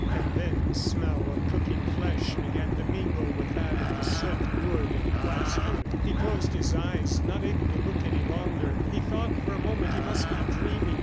. and then the smell of cooking flesh began to mingle with that of the soot, wood and plaster. He closed his eyes, not able to look any longer. He thought for a moment he must be dreaming.